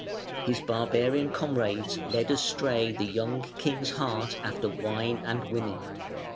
His barbarian comrades led astray the young king's heart after wine and women.